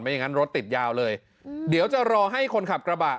อย่างนั้นรถติดยาวเลยเดี๋ยวจะรอให้คนขับกระบะ